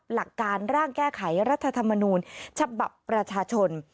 หลักการร่างแก้ไขรัฐธรรมนูญฉบับประชาชน